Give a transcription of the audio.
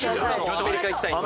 アメリカ行きたいんで。